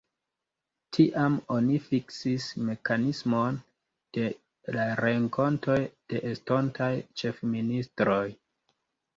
Tiam oni fiksis mekanismon de la renkontoj de estontaj ĉefministroj.